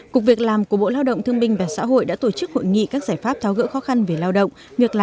cục việc làm của bộ lao động thương minh và xã hội đã tổ chức hội nghị các giải pháp thao gỡ khó khăn về lao động